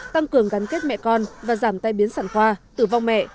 tăng cường gắn kết mẹ con và giảm tai biến sản khoa tử vong mẹ